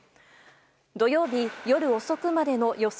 土曜日夜遅くまでの予想